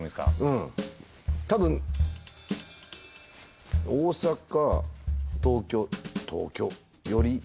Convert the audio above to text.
うんたぶん大阪東京東京寄り